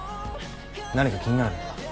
何か気になるのか？